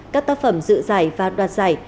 các tác phẩm dự giải và đoạt giải